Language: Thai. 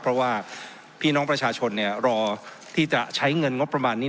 เพราะว่าพี่น้องประชาชนรอที่จะใช้เงินงบประมาณนี้